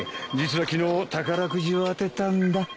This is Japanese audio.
実は昨日宝くじを当てたんだ。